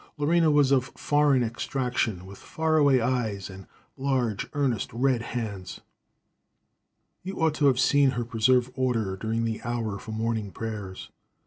Lorena was of foreign extraction, with far away eyes and large, earnest red hands. You ought to have saw her preserve order during the hour for morning prayers.